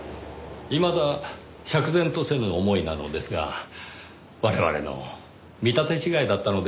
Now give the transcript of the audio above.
いまだ釈然とせぬ思いなのですが我々の見立て違いだったのでしょうかね？